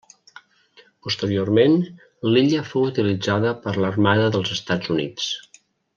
Posteriorment, l'illa fou utilitzada per l'Armada dels Estats Units.